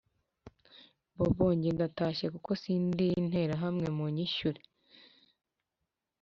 Bobo jye ndatashye kuko sindi Interahamwe munyishyure